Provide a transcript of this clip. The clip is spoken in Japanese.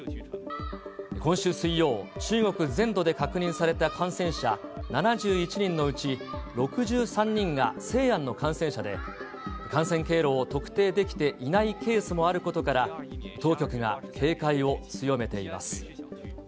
今週水曜、中国全土で確認された感染者７１人のうち、６３人が西安の感染者で、感染経路を特定できていないケースもあることから、当局が警戒を強めています。